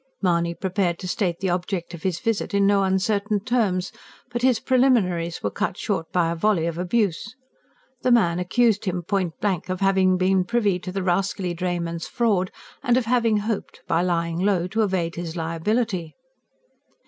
Mahony prepared to state the object of his visit in no uncertain terms. But his preliminaries were cut short by a volley of abuse. The man accused him point blank of having been privy to the rascally drayman's fraud and of having hoped, by lying low, to evade his liability.